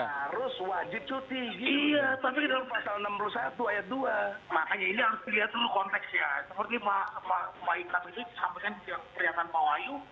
seperti pak wai kapil itu disampaikan ke pernyataan pak wayu